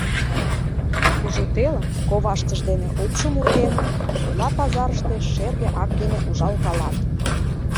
Кужу телым коваштыж дене упшым урген, ола пазарыште шерге ак дене ужалкалат.